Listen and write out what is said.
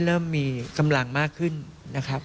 เริ่มมีกำลังมากขึ้นนะครับ